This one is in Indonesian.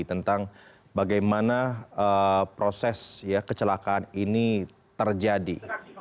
tentang bagaimana proses kecelakaan ini terjadi